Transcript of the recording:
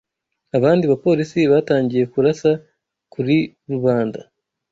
Abandi bapolisi batangiye kurasa kuri rubanda.